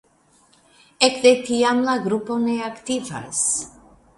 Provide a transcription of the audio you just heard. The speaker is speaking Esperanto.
Ekde tiam la grupo ne aktivas.